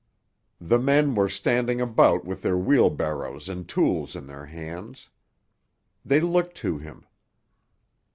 The men were standing about with their wheelbarrows and tools in their hands. They looked to him.